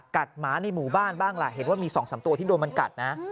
หมาในหมู่บ้านบ้างล่ะเห็นว่ามี๒๓ตัวที่โดนมันกัดนะ